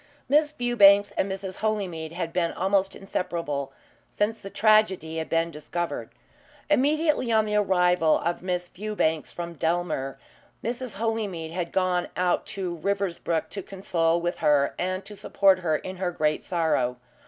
Miss Fewbanks and Mrs. Holymead had been almost inseparable since the tragedy had been discovered. Immediately on the arrival of Miss Fewbanks from Dellmere, Mrs. Holymead had gone out to Riversbrook to condole with her, and to support her in her great sorrow.